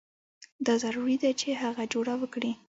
دا ضروري ده چې هغه جوړه وکړي.